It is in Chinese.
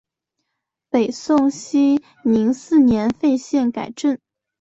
北宋熙宁四年废县改镇。